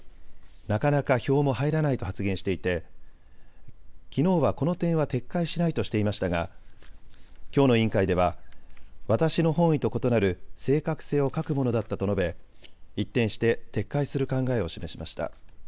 なかなか票も入らないと発言していてきのうは、この点は撤回しないとしていましたがきょうの委員会では私の本意と異なる正確性を欠くものだったと述べ一転して撤回する考えを示しました。